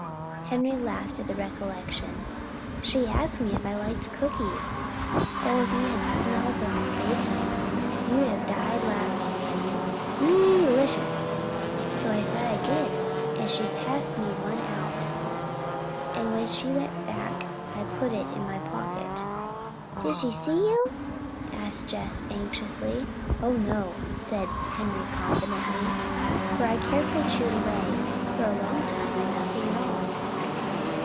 Henry laughed at the recollection. "She asked me if I liked cookies. Oh, if you had smelled them baking you'd have died laughing, Benny. Dee licious! So I said I did, and she passed me out one, and when she went back I put it in my pocket." "Did she see you?" asked Jess anxiously. "Oh, no," said Henry confidently. "For I carefully chewed away for a long time on nothing at all."